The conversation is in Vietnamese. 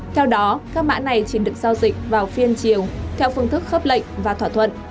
theo đó các mã này chỉ được giao dịch vào phiên chiều theo phương thức khớp lệnh và thỏa thuận